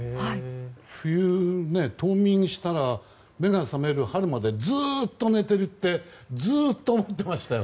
冬、冬眠したら目が覚める春までずっと寝ているってずっと思っていましたよ。